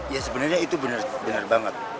ya sebenarnya itu benar banget